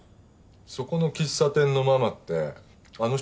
そこの喫茶店のママってあの人に似てるの？